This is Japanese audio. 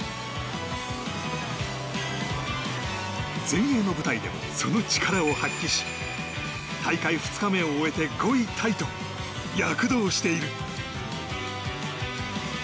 全英の舞台でもその力を発揮し大会２日目を終えて５位タイと躍動している。